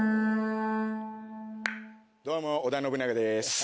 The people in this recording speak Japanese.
どうも織田信長です。